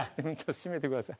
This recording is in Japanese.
締めてください。